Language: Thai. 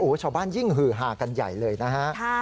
ชาวบ้านยิ่งหือหากันใหญ่เลยนะฮะ